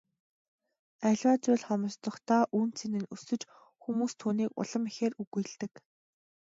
Аливаа зүйл хомсдохдоо үнэ цэн нь өсөж хүмүүс түүнийг улам ихээр үгүйлдэг.